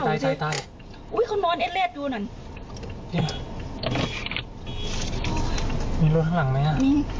มีรถข้างหลังมั้ยอะ